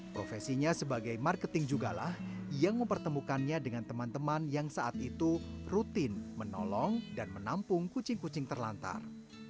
profesinya sebagai marketing jugalah yang mempertemukannya dengan teman teman yang saat itu rutin menolong dan menampung kucing kucing terlantar